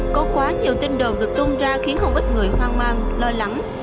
có quá nhiều tin đồn được tung ra khiến không ít người hoang mang lo lắng